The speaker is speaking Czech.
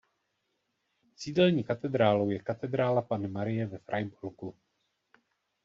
Sídelní katedrálou je Katedrála Panny Marie ve Freiburgu.